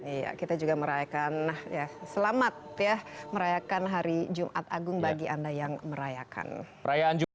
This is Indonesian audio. iya kita juga merayakan ya selamat ya merayakan hari jumat agung bagi anda yang merayakan